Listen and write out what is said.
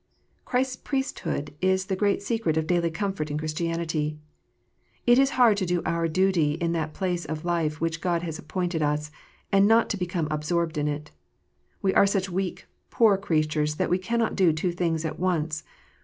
Christ s Priesthood is the great secret of daily comfort in Christianity. It is hard to do our duty in that place of life which God has appointed us, and not to become absorbed in it. We are such poor weak creatures that we cannot do two things at once.